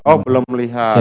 oh belum melihat